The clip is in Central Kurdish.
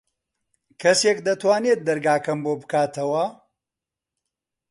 کەسێک دەتوانێت دەرگاکەم بۆ بکاتەوە؟